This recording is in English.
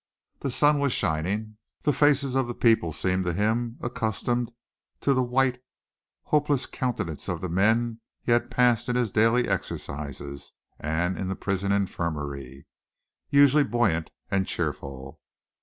The sun was shining, the faces of the people seemed to him, accustomed to the white, hopeless countenances of the men he had passed in his daily exercises and in the prison infirmary, unusually buoyant and cheerful.